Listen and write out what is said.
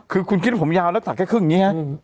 คือคุณคิดว่าผมยาวแล้วสักแค่ครึ่งอย่างนี้ฮะ